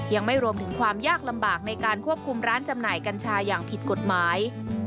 ยังไม่รวมถึงความยากลำบากในการควบคุมร้านจำหน่ายกัญชาอย่างผิดกฎหมาย